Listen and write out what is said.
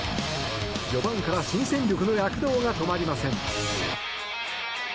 序盤から新戦力の躍動が止まりません。